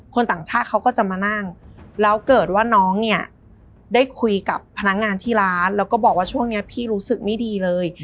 ต่างชาติเขาก็จะมานั่งแล้วเกิดว่าน้องเนี่ยได้คุยกับพนักงานที่ร้านแล้วก็บอกว่าช่วงนี้พี่รู้สึกไม่ดีเลย